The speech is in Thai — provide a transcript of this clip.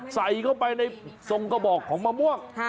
ใส่เข้าไปในทรงกระบอกของมะม่วง